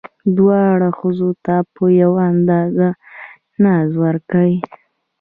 دواړو ښځو ته په یوه اندازه ناز ورکئ.